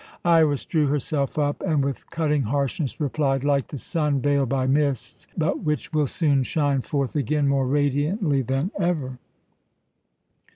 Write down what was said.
Iras drew herself up, and with cutting harshness replied, "Like the sun veiled by mists, but which will soon shine forth again more radiantly than ever."